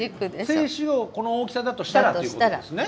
精子をこの大きさだとしたらっていうことですね。